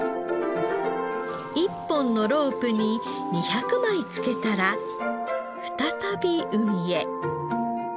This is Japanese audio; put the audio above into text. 一本のロープに２００枚つけたら再び海へ。